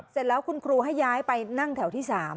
เสร็จแล้วคุณครูให้ย้ายไปนั่งแถวที่๓